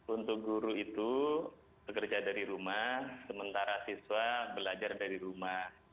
untuk guru itu bekerja dari rumah sementara siswa belajar dari rumah